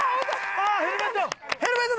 あっヘルメット！